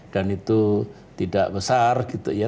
dan itu tidak besar gitu ya